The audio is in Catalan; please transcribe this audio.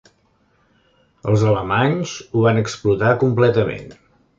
Els alemanys ho van explotar completament.